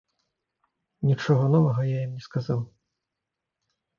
Нічога новага я ім не сказаў.